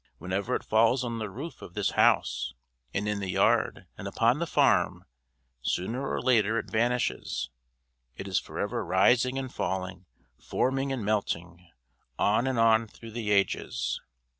Whenever it falls on the roof of this house and in the yard and upon the farm, sooner or later it vanishes; it is forever rising and falling, forming and melting on and on through the ages.